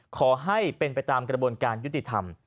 ขอให้เป็นไปตามกระบวนการยุติธรรม